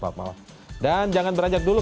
selamat malam dan jangan beranjak dulu